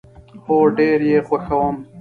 هو، ډیر یی خوښوم